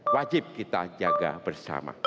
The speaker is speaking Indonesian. wajib kita jaga bersama